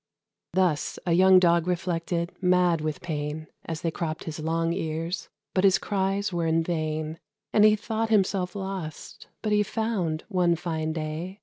Thus a young Dog reflected, mad with pain, As they cropped his long ears, but his cries were in vain, And he thought himself lost; but he found, one fine day.